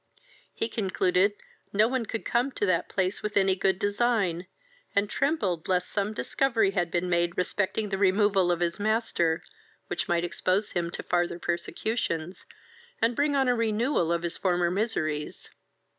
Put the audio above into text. He concluded no one could come to that place with any good design, and trembled lest some discovery had been made respecting the removal of his master, which might expose him to farther persecutions, and bring on a renewal of his former miseries.